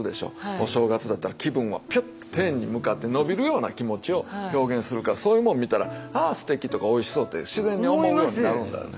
お正月だったら気分はピュッて天に向かって伸びるような気持ちを表現するからそういうもん見たらあすてきとかおいしそうって自然に思うようになるんだよね。